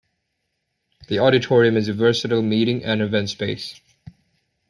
The auditorium is a versatile meeting and event space.